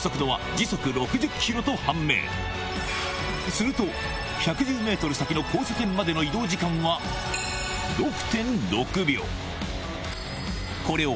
すると１１０ｍ先の交差点までの移動時間はこれを